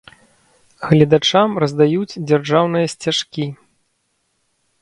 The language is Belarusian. Гледачам раздаюць дзяржаўныя сцяжкі.